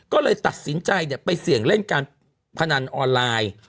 ก็เลยตัดสินใจไปเสี่ยงเล่นการพนันออนไลน์